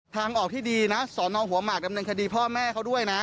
ทางออกที่ดีนะสอนองหัวหมากดำเนินคดีพ่อแม่เขาด้วยนะ